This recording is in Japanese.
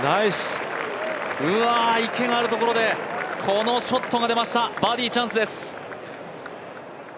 池があるところでこのショットが出ました、バーディーチャンスです。